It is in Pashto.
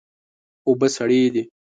اوبه سړې دي